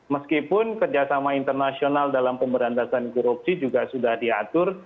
meskipun kerjasama internasional dalam pemberantasan korupsi juga sudah diatur